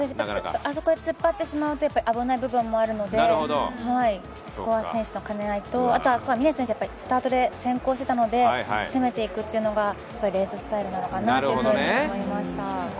あそこで突っ張ってしまうと危ない部分もあるので、そこは選手の兼ね合いと、峰選手、スタートで先行してたので攻めていくというのがレーススタイルなのかなと思いました。